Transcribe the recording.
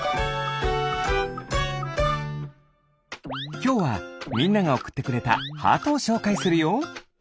きょうはみんながおくってくれたハートをしょうかいするよ。